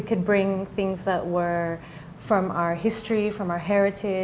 hal hal dari sejarah kita dari harta kita